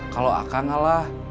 kalau akan kalah